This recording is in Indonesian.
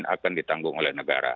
akan ditanggung oleh negara